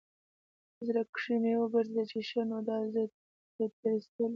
په زړه کښې مې وګرځېدل چې ښه نو دا زه تېر ايستلى.